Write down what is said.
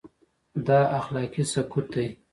دا اخلاقي سقوط دی.